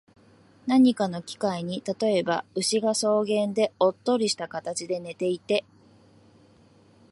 何かの機会に、例えば、牛が草原でおっとりした形で寝ていて、